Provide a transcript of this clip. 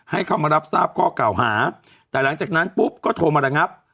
ให้เข้ามารับทราบข้อเก่าหาแต่หลังจากนั้นปุ๊บก็โทรมาระงับ